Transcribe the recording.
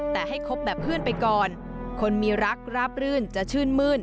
แต่ให้คบแบบเพื่อนไปก่อนคนมีรักราบรื่นจะชื่นมื้น